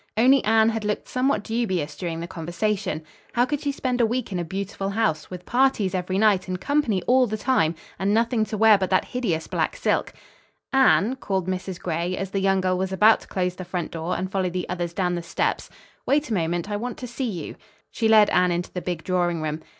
Only Anne had looked somewhat dubious during the conversation. How could she spend a week in a beautiful house, with parties every night and company all the time, and nothing to wear but that hideous black silk? "Anne," called Mrs. Gray, as the young girl was about to close the front door and follow the others down the steps. "Wait a moment. I want to see you." She led Anne into the big drawing room.